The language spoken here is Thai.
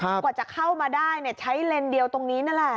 กว่าจะเข้ามาได้เนี่ยใช้เลนส์เดียวตรงนี้นั่นแหละ